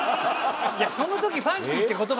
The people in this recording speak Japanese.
その時「ファンキー」って言葉